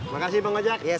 baru nyampe masih beres beres